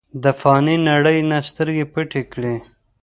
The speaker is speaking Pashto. د فانې نړۍ نه سترګې پټې کړې ۔